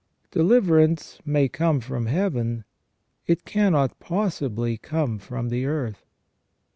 Deliverance may come from Heaven ; it cannot possibly come from the earth.